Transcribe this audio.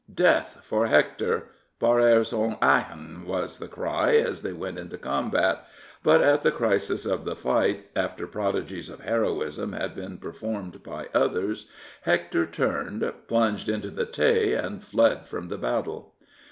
" Death for Hector " {Bas air son Eachin) was the cry as they went into the combat ; but at the crisis of the fight, after prodigies of heroism had been performed by others. Hector turned, plunged into the Tay and fled from the battle.